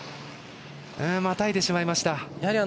またいでしまいました。